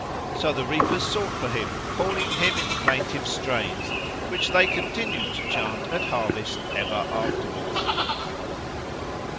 So the reapers sought for him, calling him in plaintive strains, which they continued to chant at harvest ever afterwards.